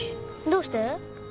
どうして？